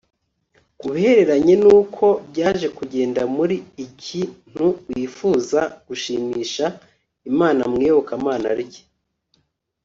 Ku bihereranye n uko byaje kugenda muri iki ntu wifuza gushimisha Imana mu iyobokamana rye